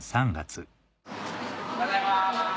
おはようございます。